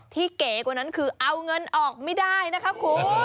เก๋กว่านั้นคือเอาเงินออกไม่ได้นะคะคุณ